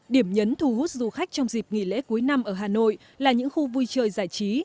điểm nhấn thu hút du khách trong dịp nghỉ lễ cuối năm ở hà nội là những khu vui chơi giải trí